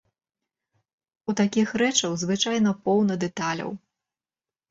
У такіх рэчаў, звычайна, поўна дэталяў.